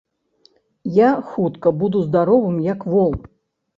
Я хутка буду здаровым як вол.